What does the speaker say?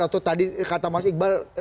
atau tadi kata mas iqbal